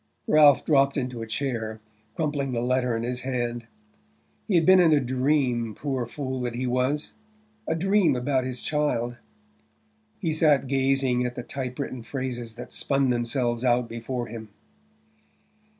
Ralph dropped into a chair, crumpling the letter in his hand. He had been in a dream, poor fool that he was a dream about his child! He sat gazing at the type written phrases that spun themselves out before him.